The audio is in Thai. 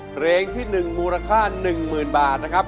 เพลงที่๑มูลค่า๑๐๐๐บาทนะครับ